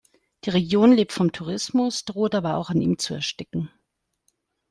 Die Region lebt vom Tourismus, droht aber auch an ihm zu ersticken.